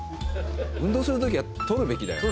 運動するときは取るべきだよな。